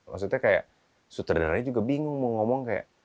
maksudnya kayak sutradaranya juga bingung mau ngomong kayak